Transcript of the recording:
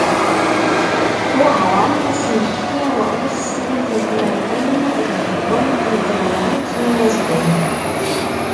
Wehran, asmekti wis snat n tmerwin d yiwen n tmenɣiwt n unazbay.